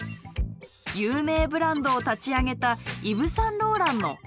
有名ブランドを立ち上げたイブ・サン＝ローランの元別荘です。